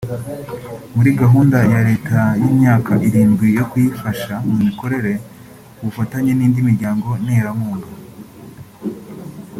muri gahunda ya Leta y’imyaka irindwi yo kuyifasha mu mikorere ku bufatanye n’indi miryango nterankunga